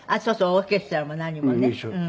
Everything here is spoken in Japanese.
オーケストラも何もね。